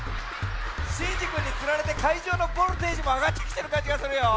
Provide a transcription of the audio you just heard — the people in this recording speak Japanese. シンジくんにつられてかいじょうのボルテージもあがってきてるかんじがするよ。